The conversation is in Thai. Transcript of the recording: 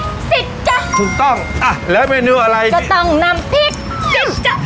สิบจ๊ะถูกต้องอะแล้วเมนูอะไรจ๋อต๋องน้ำพริกสิบ